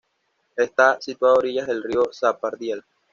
Está situado a orillas del río Zapardiel.